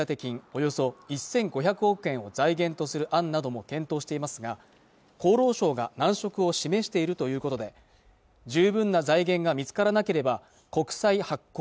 およそ１５００億円を財源とする案なども検討していますが厚労省が難色を示しているということで十分な財源が見つからなければ国債発行